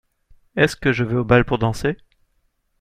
Est-ce que je vais au bal pour danser ?